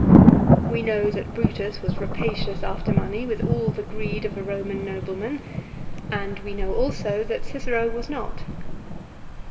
We know that Brutus was rapacious after money with all the greed of a Roman nobleman, and we know also that Cicero was not.